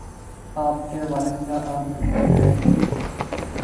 آپ کے والد کیا کام کرتے ہیں